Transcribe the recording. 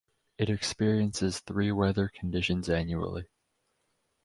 It experiences three weather conditions annually.